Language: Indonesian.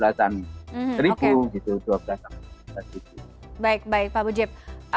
baik baik pak mujib